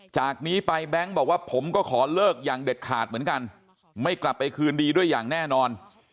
จากนี้ไปแบงค์บอกว่าผมก็ขอเลิกอย่างเด็ดขาดเหมือนกันไม่กลับไปคืนดีด้วยอย่างแน่นอน